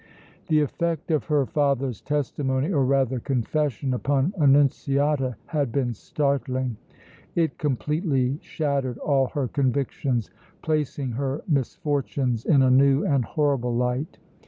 The effect of her father's testimony or rather confession upon Annunziata had been startling. It completely shattered all her convictions, placing her misfortunes in a new and horrible light.